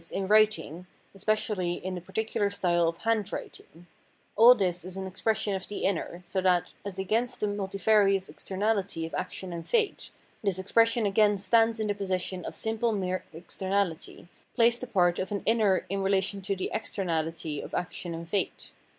in writing, especially in the particular style of " handwriting "— all this is an expression of the inner, Physiognomy 305 so that, as against tlie multifarious externality of action and fate, this expression again stands in the position of simple mere externahty, plays the part of an inner in relation to the externahty of action and fate.